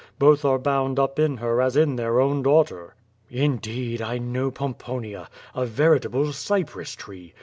Both are bound up in her as in their own daughter." "Indeed, I know Pomponia — a veritable cypress tree.